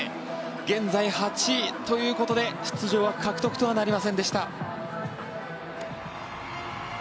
現在、８位ということで出場獲得とはなりませんでした。